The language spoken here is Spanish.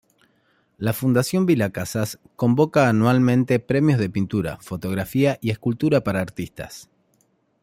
La Fundación Vila Casas convoca anualmente premios de pintura, fotografía y escultura para artistas.